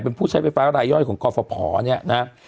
เป็นผู้ใช้ไฟฟ้ารายย่อยของกรฟภเนี่ยนะฮะ